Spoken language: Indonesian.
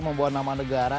membuat nama negara